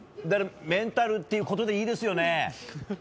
メンタルということでいいですよね？